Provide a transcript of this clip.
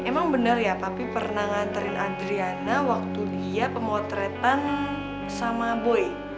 emang bener ya tapi pernah nganterin adriana waktu dia pemotretan sama boy